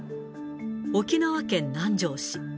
沖縄県南城市。